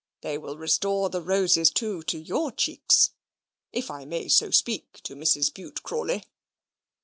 They will restore the roses too to your cheeks, if I may so speak to Mrs. Bute Crawley."